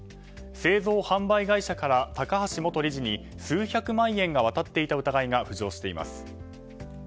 製造・販売会社から高橋元理事に数百万円が渡っていた疑いが浮上しています。